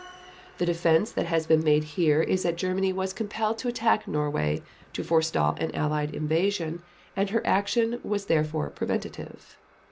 The defense that has been made here is that Germany was compelled to attack Norway to forestall an Allied invasion, and her action was therefore preventive.